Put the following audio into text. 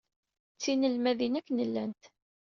D tinelmadin akken llant.